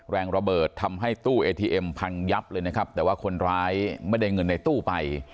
แรงระเบิดทำให้ตู้เอทีเอ็มพังยับเลยนะครับแต่ว่าคนร้ายไม่ได้เงินในตู้ไป